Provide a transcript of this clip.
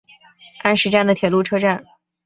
安食站的铁路车站。